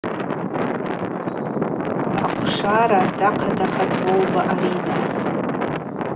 Ахъвшара дахъадахатӏ Воуба Арида.